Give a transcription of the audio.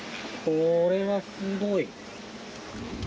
これはすごい。